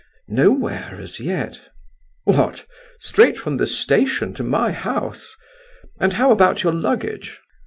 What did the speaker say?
"Nowhere, as yet." "What, straight from the station to my house? And how about your luggage?"